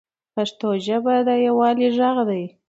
پښتو ژبه د یووالي ږغ دی.